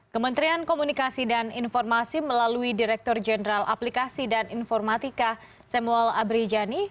kementerian komunikasi dan informasi melalui direktur jenderal aplikasi dan informatika samuel abrijani